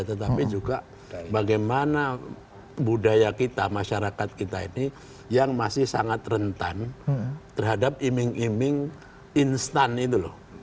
tetapi juga bagaimana budaya kita masyarakat kita ini yang masih sangat rentan terhadap iming iming instan itu loh